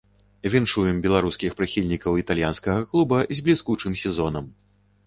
Віншуем беларускіх прыхільнікаў італьянскага клуба з бліскучым сезонам.